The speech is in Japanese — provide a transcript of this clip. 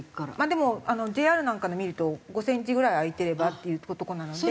でもＪＲなんかの見ると５センチぐらい開いていればっていう事なので。